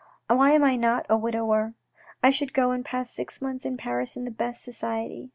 Why am I not a widower ? I should go and pass six months in Paris in the best society.